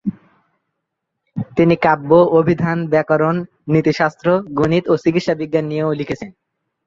তিনি কাব্য, অভিধান, ব্যাকরণ, নীতিশাস্ত্র, গণিত ও চিকিৎসাবিজ্ঞান নিয়েও লিখেছেন।